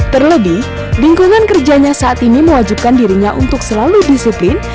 terlebih lingkungan kerjanya saat ini mewajibkan dirinya untuk selalu disiplin